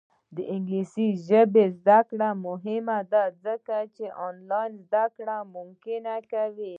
د انګلیسي ژبې زده کړه مهمه ده ځکه چې آنلاین زدکړه ممکنه کوي.